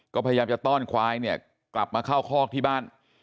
ก็พยายามจะต้อนควายเนี่ยกลับมาเข้าคอกที่บ้าน